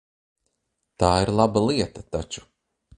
Tā ir laba lieta taču.